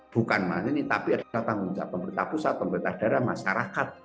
bukan masyarakat tapi ada tanggung jawab pemerintah pusat pemerintah daerah masyarakat